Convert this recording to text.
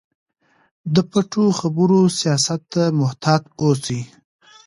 د پټو خبرو سیاست ته محتاط اوسئ.